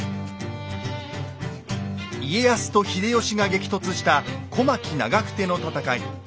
家康と秀吉が激突した小牧・長久手の戦い。